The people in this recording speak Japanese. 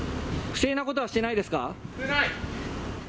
不正なことはしてないですか？